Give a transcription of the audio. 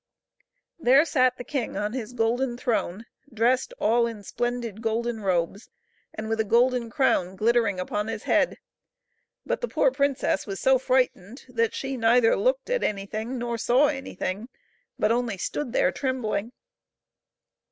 There sat the king on his golden throne, dressed all in splendid golden robes, and with a golden crown glittering upon his head. But the poor princess was so frightened that she neither looked at anything nor saw anything, but only stood there trembling.